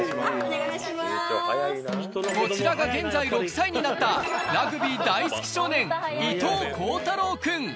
こちらが現在６歳になったラグビー大好き少年、伊藤幸太朗くん。